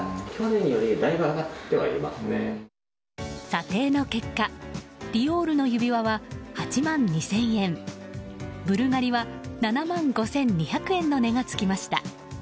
査定の結果ディオールの指輪は８万２０００円ブルガリは７万５２００円の値が付きました。